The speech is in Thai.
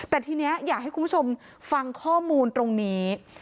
แต่ทีนี้อยากให้คุณผู้ชมฟังข้อมูลตรงนี้